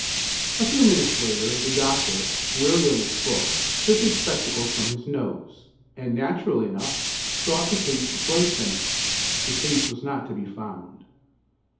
A few minutes later, the doctor, weary of his book, took his spectacles from his nose, and naturally enough, sought the case to place them in. The case was not to be found.